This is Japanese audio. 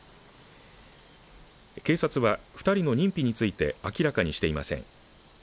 警察は、２人の認否について明らかにしていません。